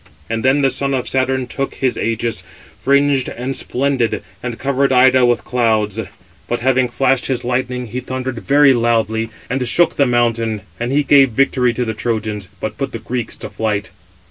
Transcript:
And then the son of Saturn took his ægis, fringed and splendid, and covered Ida with clouds; but having flashed his lightning, he thundered very loudly, and shook it (the mountain); and (he) gave victory to the Trojans, but put the Greeks to flight.